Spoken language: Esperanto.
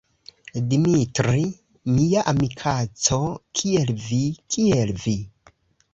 Dimitri, mia amikaĉo, kiel vi? Kiel vi?